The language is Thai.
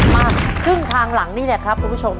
มาครึ่งทางหลังนี่แหละครับคุณผู้ชม